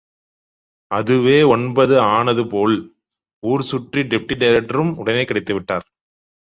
அதுவே ஒன்பது ஆனதுபோல் ஊர் சுற்றி டெப்டி டைரக்டரும் உடனே கிடைத்து விட்டார்.